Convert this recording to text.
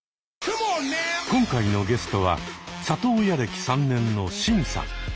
今回のゲストは里親歴３年のシンさん。